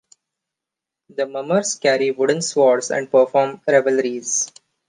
The mummers carry wooden swords and perform revelries.